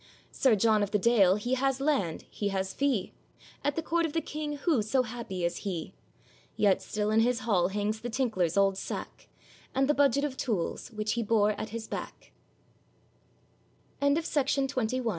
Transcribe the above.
Sir John of the Dale he has land, he has fee, At the court of the king who so happy as he? Yet still in his hall hangs the tinkler's old sack, And the budget of tools which he bor